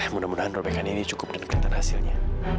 mudah mudahan robe kan ini cukup dengan kereta hasilnya